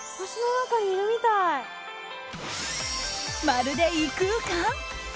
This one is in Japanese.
まるで異空間？